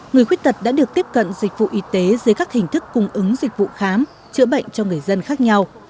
người khuyết tật đã được tiếp cận dịch vụ y tế dưới các hình thức cung ứng dịch vụ khám chữa bệnh cho người dân khác nhau